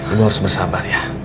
ibu harus bersabar ya